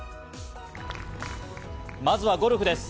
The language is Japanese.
まずはゴルフです。